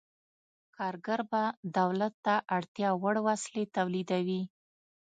کارګر به دولت ته اړتیا وړ وسلې تولیدوي.